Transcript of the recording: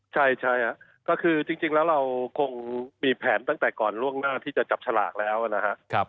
ใช่ก็คือจริงแล้วเราคงมีแผนตั้งแต่ก่อนล่วงหน้าที่จะจับฉลากแล้วนะครับ